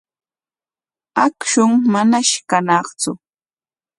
Akshun manash kañaqtsu.